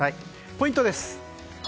ポイントです。